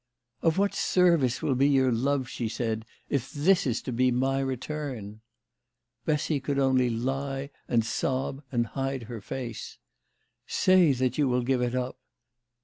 " Of what service will be your love," she said, "if this is to be my return ?" Bessy could only lie and sob and hide her face. " Say that you will give it up."